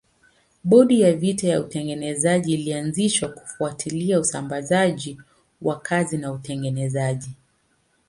Bodi ya vita ya utengenezaji ilianzishwa kufuatilia usambazaji wa kazi na utengenezaji.